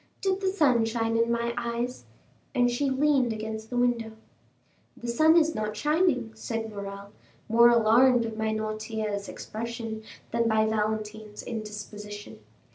Did the sun shine in my eyes?" And she leaned against the window. "The sun is not shining," said Morrel, more alarmed by Noirtier's expression than by Valentine's indisposition.